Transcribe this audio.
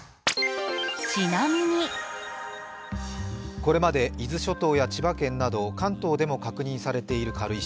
これまで伊豆諸島や千葉県など関東でも確認されている軽石。